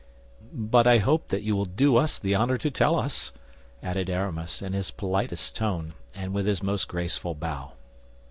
"But I hope that you will do us the honor to tell us," added Aramis, in his politest tone and with his most graceful bow.